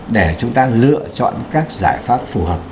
để chúng ta lựa chọn các giải pháp phù hợp